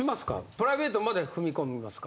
プライベートまで踏み込みますか？